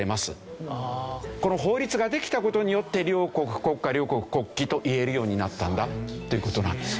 この法律ができた事によって両国国歌両国国旗と言えるようになったんだという事なんですよ。